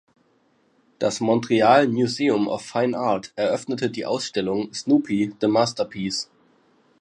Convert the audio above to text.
Das "Montreal Museum of Fine Art" eröffnete die Ausstellung "Snoopy, The Masterpiece".